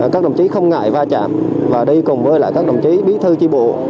các đồng chí không ngại va chạm và đi cùng với lại các đồng chí bí thư tri bộ